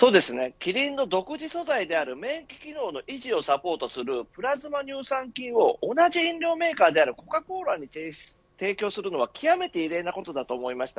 キリンの独自素材である免疫機能の維持をサポートするプラズマ乳酸菌を同じ飲料メーカーであるコカ・コーラに提供するのは極めて異例なことだと思います。